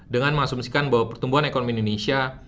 dengan mengasumsikan bahwa pertumbuhan ekonomi indonesia